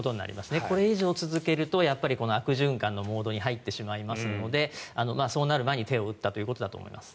これ以上続けると悪循環のモードに入ってしまいますのでそうなる前に手を打ったということだと思います。